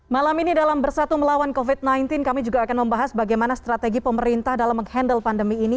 malam ini dalam bersatu melawan covid sembilan belas kami juga akan membahas bagaimana strategi pemerintah dalam menghandle pandemi ini